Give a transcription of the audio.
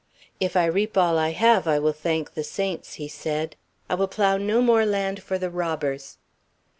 "If I reap all I have, I will thank the saints," he said. "I will plough no more land for the robbers."